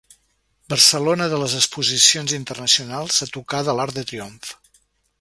Barcelona de les exposicions internacionals, a tocar de l'Arc de Triomf.